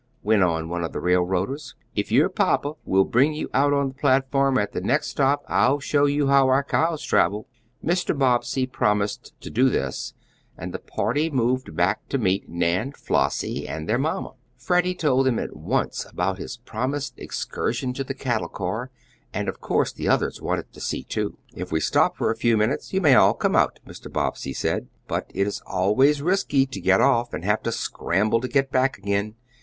went on one of the railroaders. "If your papa will bring you out on the platform at the next stop, I'll show you how our cows travel." Mr. Bobbsey promised to do this, and the party moved back to meet Nan, Flossie, and their mamma. Freddie told them at once about his promised excursion to the cattle car, and, of course, the others wanted to see, too. "If we stop for a few minutes you may all come out," Mr. Bobbsey said. "But it is always risky to get off and have to scramble to get back again.